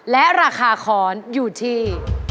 และราคาค้อนอยู่ที่